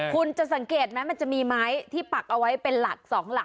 คุณจะสังเกตไหมมันจะมีไม้ที่ปักเอาไว้เป็นหลัก๒หลัก